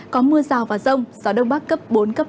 có mưa rào và rông gió đông bắc cấp bốn cấp năm